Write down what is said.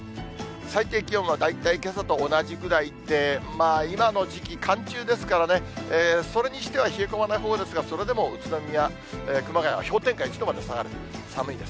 最低気温は大体けさと同じくらいで、今の時期、寒中ですからね、それにしては冷え込まないほうですが、それでも宇都宮、熊谷は氷点下１度まで下がる、寒いです。